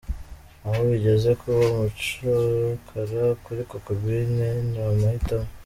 Aho bigeze, kuba umucakara kuri Cocobean ni amahitamo.